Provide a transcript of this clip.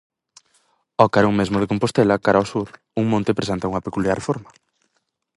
Ao carón mesmo de Compostela, cara ao Sur, un monte presenta unha peculiar forma.